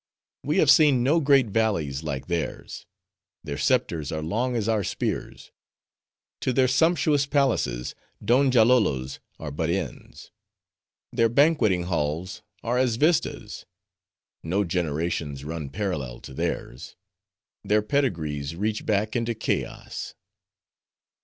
We have seen no great valleys like theirs:—their scepters are long as our spears; to their sumptuous palaces, Donjalolo's are but inns:—their banquetting halls are as vistas; no generations run parallel to theirs:—their pedigrees reach back into chaos.